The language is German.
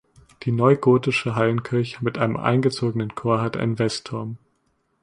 Die neugotische Hallenkirche mit einem eingezogenen Chor hat einen Westturm.